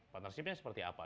partnershipnya seperti apa